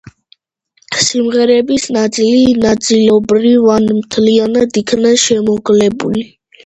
სიმღერების ნაწილი ნაწილობრივ ან მთლიანად იქნა შემოკლებული.